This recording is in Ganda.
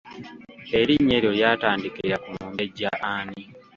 Erinnya eryo lyatandikira ku Mumbejja ani?